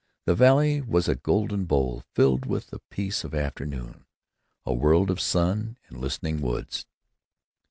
The valley was a golden bowl filled with the peace of afternoon; a world of sun and listening woods.